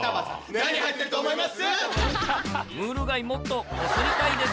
何入ってると思います？